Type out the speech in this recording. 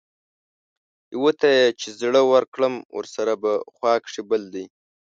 يو ته چې زړۀ ورکړم ورسره پۀ خوا کښې بل دے